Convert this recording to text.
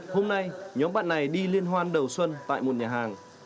hôm nay nhóm bạn này đi liên hoan đầu xuân tại một nhà hàng